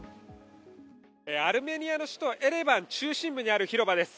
アルメニアの首都・エレバン中心部にある広場です。